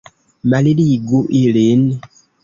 Malligu ilin!